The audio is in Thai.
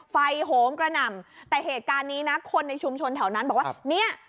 โหมกระหน่ำแต่เหตุการณ์นี้นะคนในชุมชนแถวนั้นบอกว่าเนี่ย